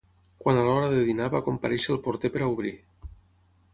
...quan a l'hora de dinar va comparèixer el porter per a obrir.